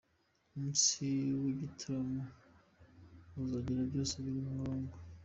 Umunsi w’igitaramo uzagera byose biri ku murongo.